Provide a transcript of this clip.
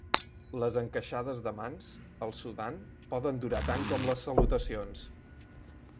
Les encaixades de mans, al Sudan, poden durar tant com les salutacions.